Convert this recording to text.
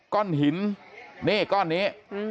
ก้อนหินนี่ก้อนนี้